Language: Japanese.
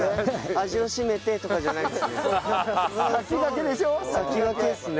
味を占めてとかじゃないんですね。